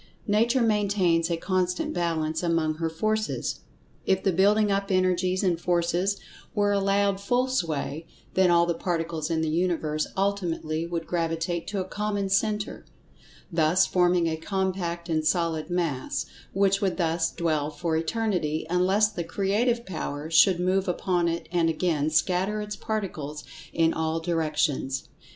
Nature maintains a constant balance among her Forces. If the building up energies and forces were allowed full sway, then all the Particles in the Universe ultimately would gravitate to a common centre, thus forming a compact and solid Mass, which would thus dwell for Eternity, unless the Creative Power should move upon it and again scatter its Particles in[Pg 110] all directions.